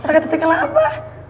sakit hati kenapa